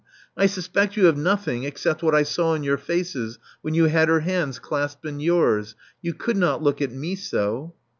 I suspect you of nothing except what I saw in your faces when you had her hands clasped in yours. You could not look at me so."